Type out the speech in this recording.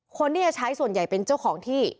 คนที่จะใช้ส่วนใหญ่เป็นเจ้าของที่